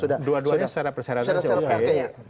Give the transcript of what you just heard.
dua duanya secara persyaratan